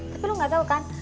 tapi lu gak tau kan